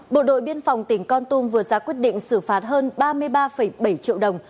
bộ đội biên phòng tỉnh con tum vừa ra quyết định xử phạt hơn ba mươi ba bảy triệu đồng